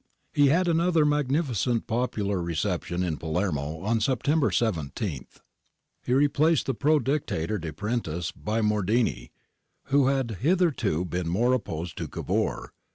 He had another magnificent popular re ception in Palermo on September 17. He replaced the pro Dictator Depretis by Mordini who had hitherto been more opposed to Cavour.